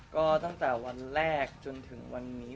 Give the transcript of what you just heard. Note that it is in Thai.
ก็ตั้งแต่วันแรกจนถึงวันนี้